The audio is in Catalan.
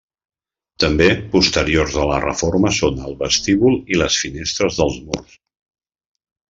També posteriors a la reforma són el vestíbul i les finestres dels murs.